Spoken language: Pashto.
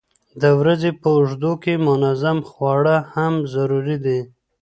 د ورځې په اوږدو کې منظم خواړه هم ضروري دي.